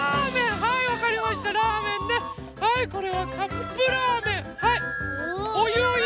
はいこれはカップラーメン。